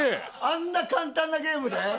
あんな簡単なゲームで？